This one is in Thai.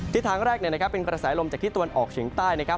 ทิศทางแรกเป็นกระแสลมจากที่ตะวันออกเฉียงใต้นะครับ